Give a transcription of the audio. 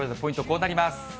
こうなります。